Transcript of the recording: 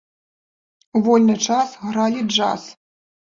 У вольны час гралі джаз.